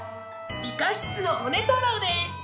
理科室のホネ太郎です。